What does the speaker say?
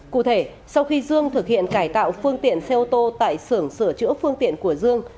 cụ thể sau khi dương thực hiện cải tạo phương tiện xe ô tô tại xưởng sửa chữa phương tiện của dương